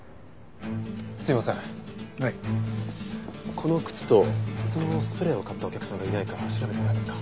この靴とそのスプレーを買ったお客さんがいないか調べてもらえますか？